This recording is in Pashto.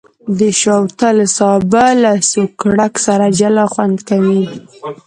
د شوتل سابه له سوکړک سره جلا خوند کوي.